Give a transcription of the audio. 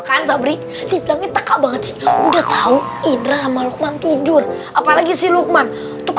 kan sabri diberi teka banget udah tahu indra malu tidur apalagi si lukman tuh